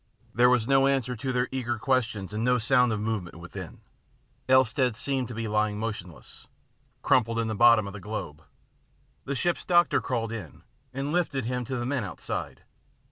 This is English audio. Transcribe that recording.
There was no answer to their eager questions and no sound of movement within. Elstead seemed to be lying motionless, crumpled up in the bottom of the globe. The ship's doctor crawled in and lifted him out to the men outside.